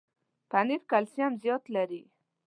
پنېر کلسیم زیات لري.